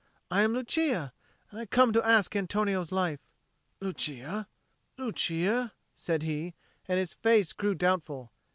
I am Lucia, and I come to ask Antonio's life." "Lucia, Lucia?" said he, and his face grew doubtful.